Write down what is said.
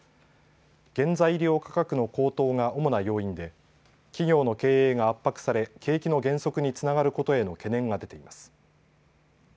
原材料価格の高騰が主な要因で企業の経営が圧迫され景気の減速につながることへの懸念が出ています。